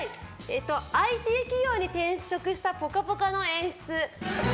ＩＴ企業に転職した「ぽかぽか」の演出。